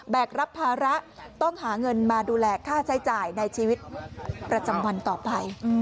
กรับภาระต้องหาเงินมาดูแลค่าใช้จ่ายในชีวิตประจำวันต่อไป